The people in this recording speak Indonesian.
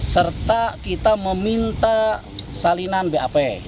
serta kita meminta salinan bap